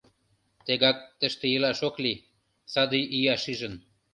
— Тегак тыште илаш ок лий: саде ия шижын...